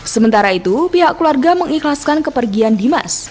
sementara itu pihak keluarga mengikhlaskan kepergian dimas